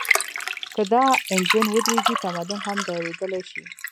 که دا انجن ودرېږي، تمدن هم درېدلی شي.